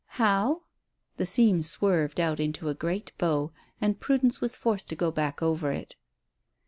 "How?" The seam swerved out into a great bow, and Prudence was forced to go back over it.